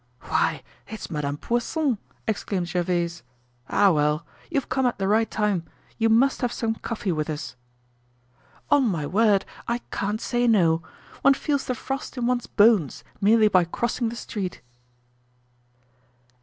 "Why, it's Madame Poisson!" exclaimed Gervaise. "Ah, well! You've come at the right time. You must have some coffee with us." "On my word, I can't say no. One feels the frost in one's bones merely by crossing the street."